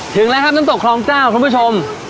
ถึงแล้วครับน้ำตกคลองเจ้าคุณผู้ชม